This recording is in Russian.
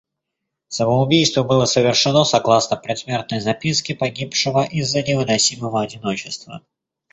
Самоубийство было совершено согласно предсмертной записке погибшего из-за невыносимого одиночества.